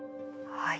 はい。